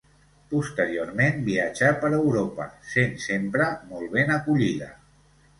Posteriorment viatjà per Europa, sent sempre molt ben acollida.